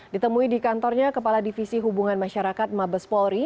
ditemui di kantornya kepala divisi hubungan masyarakat mabes polri